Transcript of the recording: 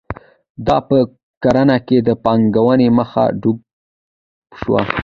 دا په کرنه کې د پانګونې مخه ډپ شوه.